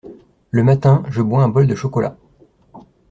Le matin, je bois un bol de chocolat.